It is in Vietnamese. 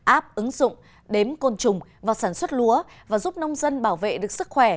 áp ứng dụng đếm côn trùng và sản xuất lúa và giúp nông dân bảo vệ được sức khỏe